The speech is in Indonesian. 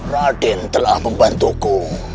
raden telah membantuku